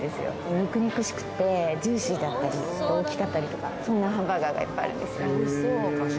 肉肉しくてジューシーだったり大きかったりとかそんなハンバーガーがいっぱいあるんですよ